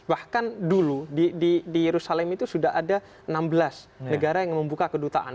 bahkan dulu di yerusalem itu sudah ada enam belas negara yang membuka kedutaan